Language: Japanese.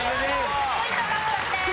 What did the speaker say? １０ポイント獲得です。